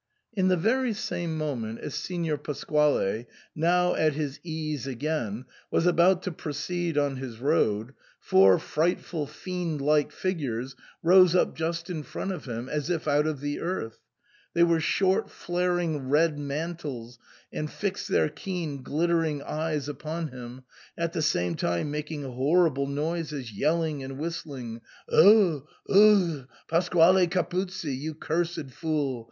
In the very same moment as Signor Pasquale, now at his ease again, was about to proceed on his road, four frightful fiend like figures rose up just in front of him as if out of the earth ; they wore short flaring red mantles and fixed their keen glittering eyes upon him, at the same time making horrible noises — yelling and whistling. Ugh ! ugh! Pasquale Capuzzi! You cursed fool